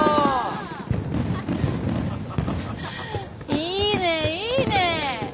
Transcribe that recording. いいねいいね！